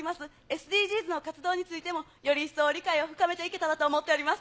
ＳＤＧｓの活動についても、より一層理解を深めていけたらと思っております。